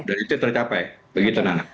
dan itu tercapai